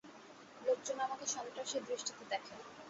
লোকজন আমাকে সন্ত্রাসীর দৃষ্টিতে দেখে।